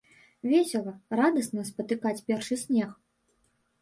Весела, радасна спатыкаць першы снег!